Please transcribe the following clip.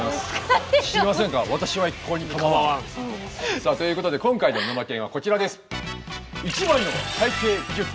さあということで今回の「ぬまけん！」はこちらです。